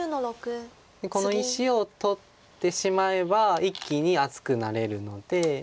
この石を取ってしまえば一気に厚くなれるので。